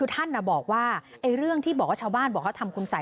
ท่านบอกว่าชาวบ้านบอกว่าทำคุณสัย